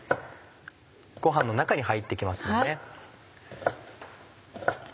ご飯の中に入って行きますもんね。